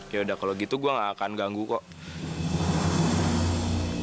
yaudah kalau gitu gue gak akan ganggu kok